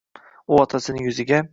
U otasining yuziga